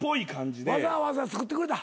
わざわざ作ってくれた。